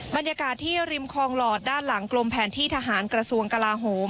บรรยากาศที่ริมคลองหลอดด้านหลังกลมแผนที่ทหารกระทรวงกลาโหม